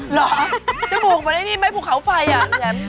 หรอจมูกมันได้นิ่มไม่ปลูกเขาไฟอะ